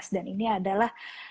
dan ini adalah